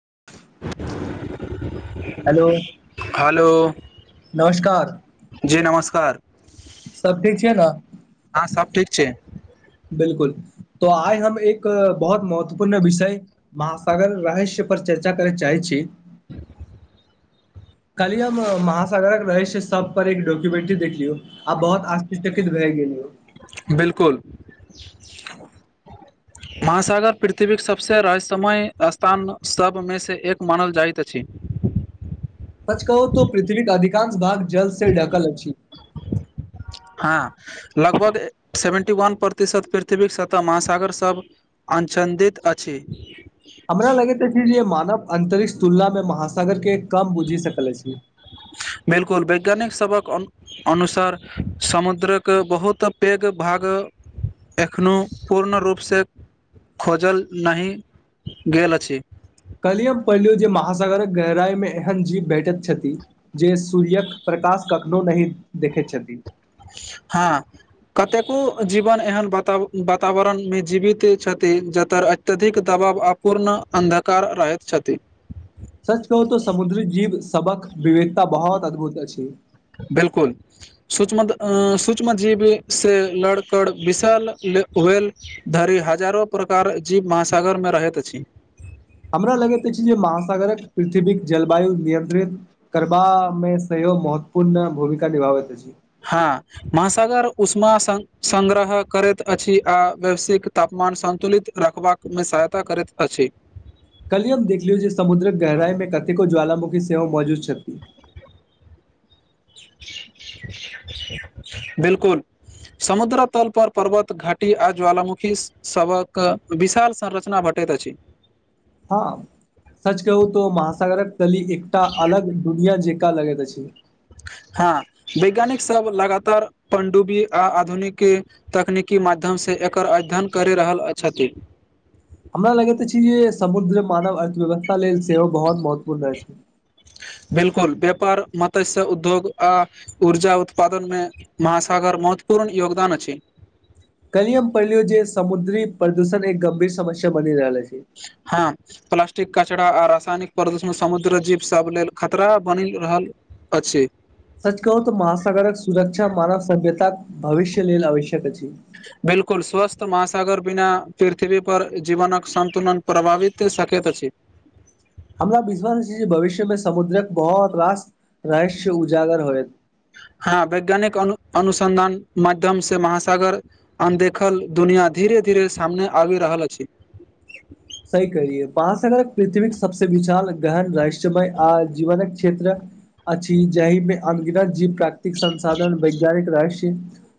[inaudible] hello hello नमस्कार जी नमस्कार सब ठीक छै ने हँ सब ठीक छै बिलकुल त आइ हम एक बहुत महत्वपूर्ण विषय महासागर रहस्य पर चर्चा करय चाहै छी कहलीयौ हम महासागरक रहस्य स पर एक डक्यूमेंट्री देखलियौ आब बहुत आ्चकित भए गेलौ बिल्कुल ह महासागर पृथ्वीक सभसँ रहस्यमय स्थान सभमे सँ एक मानल जाइत अछि ह सच कहू तो पृथ्वी के अधिकांश भाग जल से ढकल अछि हँ लगभग सेवेन्टी वन प्रतिशत पृथ्वीक सतह महासागर सब अज चन्दित अछि हमरा लगेत अछि जे मानव अंतरिक्ष तुलना मे महासागर के कम बुझि सकल अछि बिलकुल वैज्ञानिक सभक अन अनुसार समुद्रक बहुत पैघ भाग एखनोहु पूर्ण रूपसँ खोजल नहि गेल अछि सगर गहराई मे एहन जीव भेटैत छथि जे सूर्य्यक प्रकाश कखनो नहि देखैत इ छथि हँ कतेको जीवन एहन वाता वातावरण मे जीवित छथि जत अत्यधिक द बाब अपूर्ण अन्धकार रहैत छथि सच कहू तो समुद्री जीव सबक विवेक त बहुत अद्भुत अछि सूचमत अ सूक्ष्मत जीवी से लड़कर विशाल वेल धरि हजारो प्रकार जीव महासागरमे रहैत अछि हमरा लगैत अछि जे महासागरक पृथ्वीक जलवायु नियंत्रित करबामे से महत्वपूर्ण भूमिका निभाबैत अछि छी हँ महासागर उषमा संग संग्रह करैत अछि आ वैश्विक तापमान मान सन्तुलित रखबाकमे सहायता करैत अछि कलयुग देखलियौ जे समुद्रक गहराई में कतेको ज्वालामुखी सेहोव मौजूद छै [inaudible] बिल्कुल समुद्र तल पर पर्वत घाटी आ ज्वालामुखी सभक विशाल संरचना भट पटैत अछि हँ सच कहू तऽ महासागरक तली एकटा अलग दुनिया जेका लगैत अछि हँ वैज्ञानिक सब लगातार पणडुबी आ आधुनिक तकनीकी माध्यम से से एकर अध्ययन करि रहल छथि हमरा लगैत अछि जे समुद्र मानव अर्थव्यवस्था लेल सेहो बहुत महत्वपूर्ण रह छै बिलकुल व्यापार मत्स्य उद्योग आ ऊर्जा उत्पादन मे महासागर मौत पूर्ण योगदान अछि कलियम पलियो जे समुद्री प्रदूषण एक गंभीर समस्य बनी रहल अछि हँ प्लासस्टिक कचराा आ रासायनिक प्रदूषण समुद्र जीव सब लेल खतरा बनि रहल अछि सच कहू त महासागरक सुरक्षा मानव सभ्यतााक भविष्य लल आवश्यक अछि बिलकुल स्वस्थ महासागर बिना पृथ्वी पर जीवनक संन्तुलन प्रभावित कतैक अछि [inaudible] हमरा विश्वास छै भविष्य मे समुद्रक बहुत रास रहस्य उजागर होए ह हँ वैज्ञानिक अनु अनुसंधान माध्यम से महासागर अनदेखल दुनिया धीरे धीरे सामने आबि रहल अछि [inaudible] सही कहलियै महासगर पृथ्वी सबस विशाल गहन रहस्यमय आ जीवनक क्षेत्र अछि जाहिमे अनगिनत जीव प्राकृतिक संसाधन वैज्ञानिक रहस्य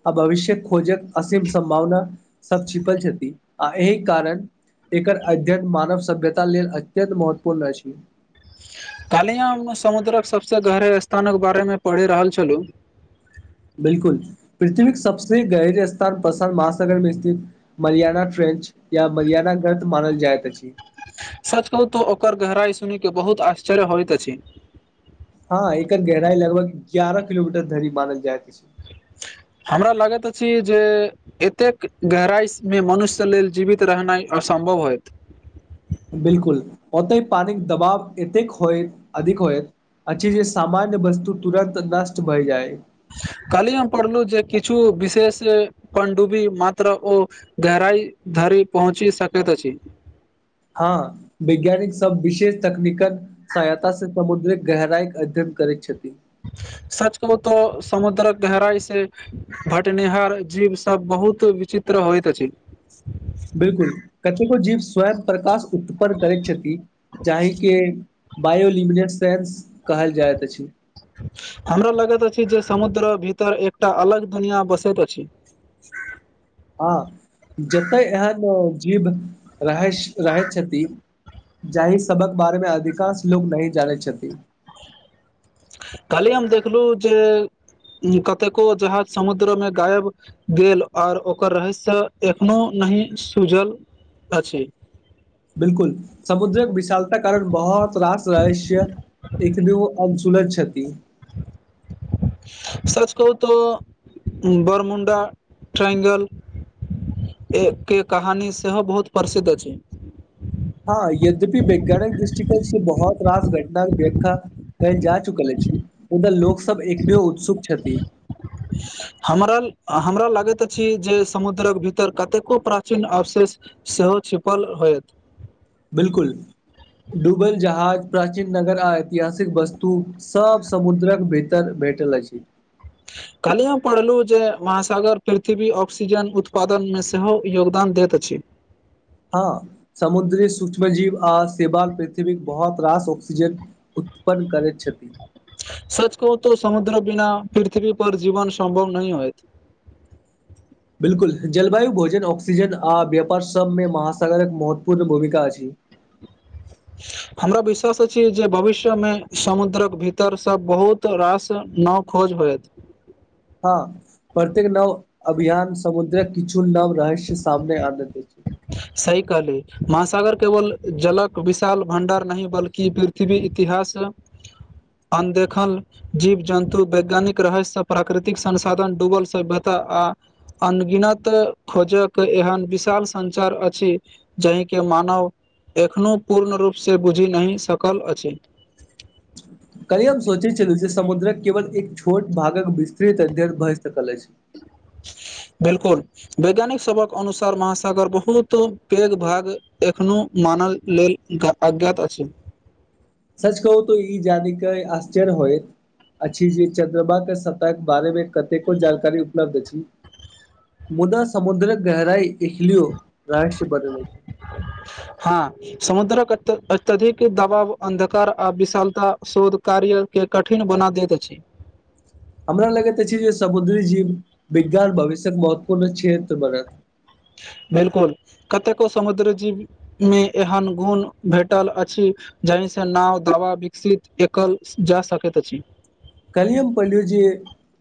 आ भविष्यक खोजक असीम सम्भावना सभ छिपल छथि आ एहि कारण एकर अध्ययन मानव सभ्यता लेल अत्यत महत्वपूर्ण अछि कहाललहि हँ हम समुद्रक सभसँ गहरे स्थानक बारे में पढ़ि रहल छलहुँ बिलकुल पृथ्वीक सबसे क सबस गहर स्थान पसान महासागरमे स्थित मरियाणा ट्रेन या अछि या मयादा मग्रथ मानल जाय त सच कहू तू ओकर गहराइ सुनिके बहुत आश्चर्य होइत अछि हँ एकर गहराई लगभग ग्यारह किलोमीटर धरि मानल जायत हमरा लागैत अछि जे एतेक गहराइमे मनुष्य लेल जीवित रहनाइ असम्भव होयत बिल्कुल ओतहि पादिक दबाव एतेक होय अधिक होयत अछै जे सामान्य वस्तु तुरन्त नष्ट भइ जाइ कहली हम पढ़लु जे किछु विशेष पंडुबी मात्र ओ गहराई ध पहुँची सकैत अछि ह हँ वैज्ञानिक सब विशेष तकनीकल सहायता से समुद्रिक गहराइ के अध्यन करै छथिन सच कहु तो समुद्रक गहराई से भटनिहार जीव सब बहुत विचित्र चित्र होइत अछि बिलकुल कतेको जीव स्वयं प्रकाश उत्पन्न करैत छथि जाहिके बायोलिमिनेट सेन्स कहल जाइत अछि हमरा लगैत अछि जे समुद्र भीतर एकटा अलग दुनिआँ बसैत अछि [inaudible] हँ जतय एहन जीव रहै रहै छथिन जाहि सबक बारेमे अधिकांश लोकोग नहि जानै छथिन कहलियी हम देखलहुँ जे कतेको जहाज समुद्रमे गायब गेल आर ओकर रहस्य एखनो नहि सुूजल अछि बिलकुल समुद्रक विशालता कारण बहुत रास रहस्य एक द ओ अंचुलज छति [unintelligible] [inaudible] सच कहू तऽ बरमुण्डा ट्राइ्ंगल एक के कहानी सेहो बहुत प्रसिद्ध अछी हँ यद्यपि वैज्ञानिक दृष्टिकोण से बहुत रास घटना वा कहल जा चुकल अछि मुदा लोक सब एकरे उत्सुक छथी हमरा हमरा लगैत अछि जे समुद्रक भीतर कतेको प्राचीन अवशेष सेहो छिपल होयत बिलकुल डुबल जहाज प्राचीन नगर आ ऐतिहासिक वस्तु सब समुद्रक भीतर भ भेटल छी कलिय हम पढ़लहुँ जे महासागर पृथ्वी ऑक्सीजन उत्पादन मे सेहो योगदान दैत अछि [inaudible] हँ समुद्री सूक्ष्म जीव आ सेव पृथ्वी बहुत रास ऑक्सीजन उत्पन्न करै सच कहू त समुद्र बिना पृथ्वी पर जीवन सम्भव नहि होयत बिल्कुल जलवायु भोजन ऑक्सीजन आ व्यापार सब मे महासागरक महत्वपूर्ण भूमिका अछि [inaudible] हमरा विश्वास अछि जे भविष्य मे समुद्रक भीतर सब बहुत रास न हँ खोज होत हँ प्रत्येक नव अभियान समुद्र किछु नव रहस्य सामने आना छै सही कहली महासागर केवल जलक विशाल भं्डार नहि बल्कि पृथ्वी इतिहास [inaudible] अनदेखल जीव जन्तु वैज्ञानिक रहस्यसँ प्राकृतिक संसाधन डुबल से बेहतर आ अनगिनत खोजक एहन विशाल संचार अछि जहिके मानव एखनहु पूर्ण रूपसँ बुझि नहि सकल अछि [inaudible] कली हम सोचे छलहुँ जे समुद्रक केवल एक छोट भागक विस्तृत अध्ययन भ कल अछी बिलकुल वैज्ञानिक सबक अनुसार महासागर बहुत पैघ भाग एखनो मान लेल अज्ञात अछि सच कहू तऽ ई जानि क आश्चर्य होय अछि जे चन्द्रमा के स्ताह के बारेमे कतेको जानकारी उपलब्ध अछि मुदा समुद्र गहराई एकखलो रहस्य बनेल छै हँ समुद्रक अत्यधिक दबाव अन्धकार आ विशालता शोध कार्य के कठिन बना दैत अछि [inaudible] हमरा लगैत अछि जे समुद्री जीव विज्ञान भविष्य्यक महत्वपूर्ण क्षेत्र बनत [inaudible] बिलकुल कतेको समुद्र जीवमे एहन गुण भेटल अछि जाहि सँ नाव दावा विकसित एकल जा सकैत अछि कलियम पलूजी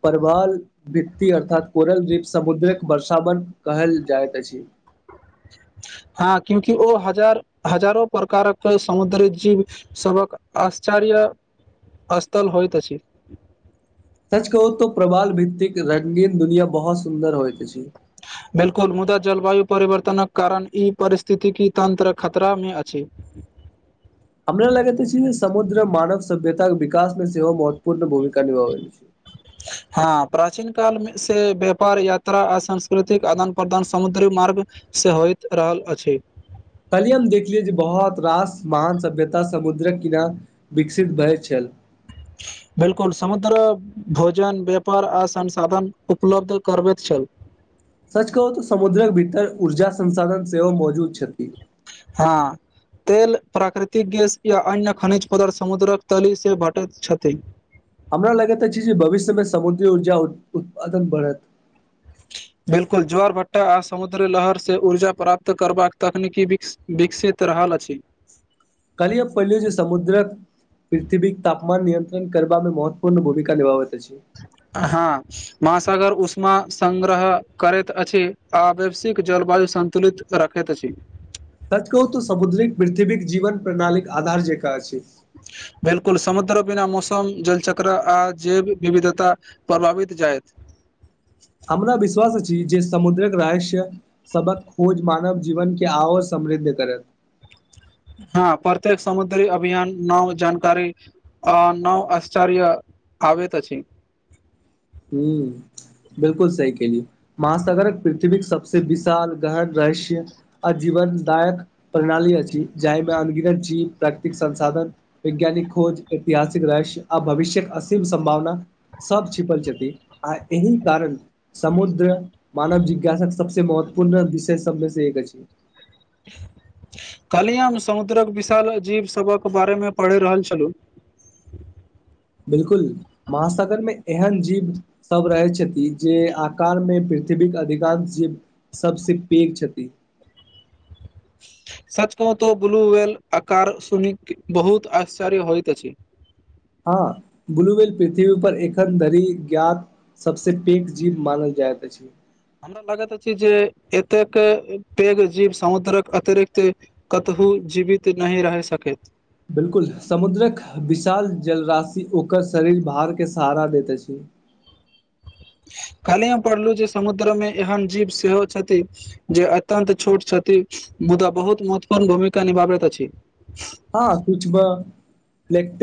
परवाल भित्त अर्थात कोरल दीप समुद्रक वर्षावन कहल जाइत अछि [inaudible] हँ क्यूंकि ओ हजार हजारो प्रकारक समुद्री जीव सबक आश्च्य कार्य स्थल होइत अछि अछि सच कहू तो प्रबाल भित्तिक रंगीन दुनिया बहुत सुन्दर होइी बिल्कुल मुदा जलवायु परिवर्तनक कारण ई परिस्थितिकी तन्त्र खतरा मे अछि हमरा लगत अछि समुद्र मानव सभ्यता के विकास मे सेहो महत्वपूर्ण भूमिका कन भन हँ प्राचीन काल से व्यापार यात्रा आ सांस्कृतिक आदान प्रदान समुद्री मार्ग से होइत रहल अछि कहलियै हम देखलियै जे बहुत रास महान सभ्यता समुद्रक किनार विकसित भेल छल [inaudible] बिल्कुल समुद्र भोजन व्यापार आ संसाधन उपलब्ध करबैत छल सच कहू त समुद्रक भीतर ऊर्जा संसाधन सेहो मौजूद छै हँ तेल प्राकृतिक गैस या अन्य खनिज पदार्थ समुद्रक तलीसँ भटैत छथि हमरा लगैत अछि जे भविष्यमे समुद्री ऊर्जा उत्पादन बढ़त बिल्कुल ज्वार भट्टा आ समुद्र लहर से ऊर्जा प्राप्त करबाक तकनीकी विकसित रहल अछि ठीक कलीय पहिलिय जे समुद्रक पृथ्ववीक तापमान नियंत्रण करब मे महत्वपूर्ण भूमिका निभाव हँ महासागर उस उषमा सङ्ग्रह करैत अछि आ वैश्विक जलवायु सन्तुलित रखैत अछि सच कहू तऽ समुद्रिक पृथ्वीक जीवन प्रणालीे आधार जे बिलकुल समुद्र बिना मौसम मौसम जलचक्र आ जैव विविधता प्रभावित जायत इ जे समुद्रक रहस्य सबक खोज मानव जीवन के आओर समृद्ध करत [inaudible] हँ प्रत्यक समुद्री अभियान नव जानकारी अ नव आश्चर्य आवेत अछि हू बिलकुल सही केलिय महासागरक पृथ्वी सब सँ विशाल गहर रहस्य आजीवन दायक प्रणाली अछि जाहिमे अनगीनत जीव प्राकृतिक संसाधन वैज्ञानिक खोज ऐतिहासिक रहस्य आ भविष्य्यक असीम सम्भावना सब छिपल जेत आ एहि कारण समुद्र मानव जिज्ञासाक सबसे महत्वपूर्ण विषय शब्द बस एक अछि कहलिय हम समुद्रक विशाल अजीव सभक बारे मे पढ़ि रहल छलहुँ [inaudible] बिलकुल महासागर मे एहन जीव सब रहै छथि जे आकार मे प्रिथ विविघ अधिकांश जीव सबस पैघ छथि सच कहत ब्लू वेल आकार सुन बहुत आश्चर्य होइत अछि हँ ब्लूवेल पृथ्वी पर एखन धरि ज्ञात सबस पैघ जीव मानल जाइत अछि हमरा लागैत अछि जे एतेक पैघ जीव समुद्रक अतिरिक्त कत ओ जीवित नहि रहै सकैत बिलकुल समुद्रक विशाल जलराशि ओकर शरीर बाहरके सहारा दैत अछि [inaudible] कहलियए पढ़लहु जे समुद्रमे एहन जीव सेहो छथि जे अत्यंत छोट छथि मुद्दा बहुत महत्वपूर्ण भूमिका निभाबैत अछी हँ कुछ ब लेट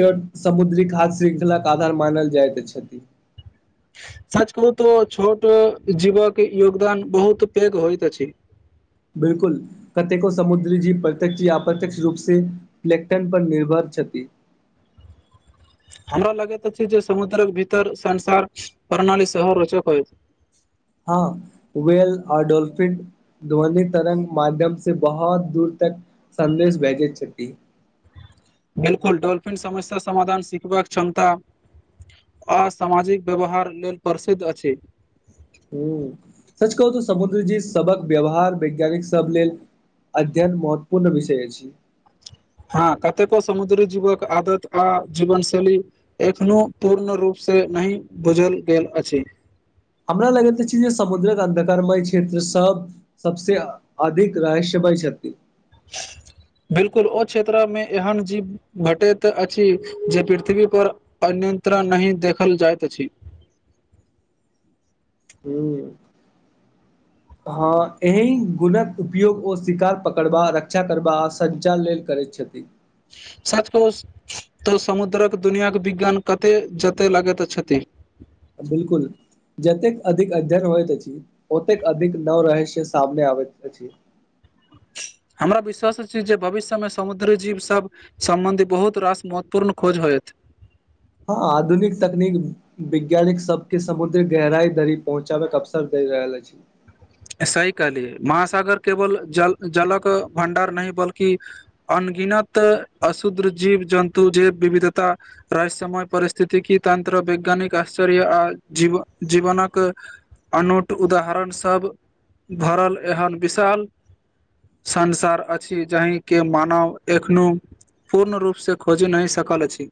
समुद्री खाघ श्रृंखलाक आधार मानल जाइत छथि सच कहू तो छोट जीवक योगदान बहुत पैघ होइत अछि बिलकुल कतेको समुद्री जीव प्रत्यक्ष या अप्रत्यक्ष रूप से प्ल्टन पर निर्भर छथि हमरा लगैत अछि जे समुद्रक भीतर संसार प्रणाली सेहो रोचक होइत हँ वेेल आ डोल्फिन ध्वनि तरंग माध्यम से बहुत दूर तक संदेश भेजे छथि बिलकुल डोल्फिन समस्या समाधान सिखबाक क्षमता आ सामाजिक व्यवहार लेल प्रसिद्ध अछि ह सच कहू तऽ समुद्र जी सबक व्यवहार वैज्ञानिक सब लेल अध्ययन महत्वपूर्ण विषय अछी हँ कतेको समुद्री जीवक आदत आ जीवन शैली एखनो पूर्ण रूप से नहि बुझल गेल अछि हमरा लगैत अछि जे समुद्रक अन्धकारमय क्षेत्र सब सबस अधिक रहस्य होइ छथिन [inaudible] बिल्कुल ओ क्षेत्रमे एहन जीव भेटैत अछि जे पृथ्वी पर अन्य नियन्त्रण नहि देखल जाइत अछि [inaudible] हँ एहि गुणक उपयोग ओ शिकार पकड़बा रक्षा करबा आ सञ्चार लेल कर छति सात कोश तऽ समुद्रक दुनियाके विज्ञान कते जते लगैत अछथिन बिल्कुल जतेक अधिक अध्ययन होइत अछि ओतेक अधिक नव रहस्य सामने आबैत अछि [inaudible] हमरा विश्वास छी जे भविष्यमे समुद्र जीव सब सम्बन्धी बहुत रास महत्वपूर्ण खोज होयत हां आधुनिक तकनीक विज्ञानिक सबके समुद्र गहराई धरी पहुँचाबेके अवसर दे रहल अछि सही कहलियै महासागर केवल जलक भण्डार नहि बल्कि अन्य गिनत अशुद्ध जीव जन्तु जैव विविधता रहस्यमय परिस्थितिक तन्त्र वैज्ञानिक आश्चर्य आ जीवनक अनूट उदाहरण सब धरल एहन विशाल संसार अछि जाहि के मानव एखनो पूर्ण रूपसे खोजि नहि सकल अछि